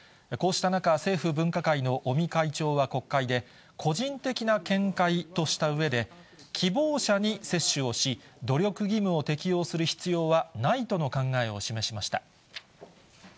こうした中、政府分科会の尾身会長は国会で、個人的な見解としたうえで、希望者に接種をし、努力義務を適用する必要はないとの考えを示しました。